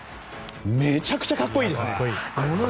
めちゃくちゃかっこいいですね。